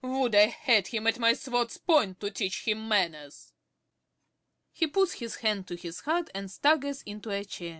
Would I had him at my sword's point to teach him manners. (_He puts his hand to his heart and staggers into a chair.